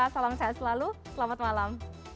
salam sehat selalu selamat malam